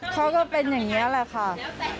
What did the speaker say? ก็เป็นอย่างนี้แหละค่ะ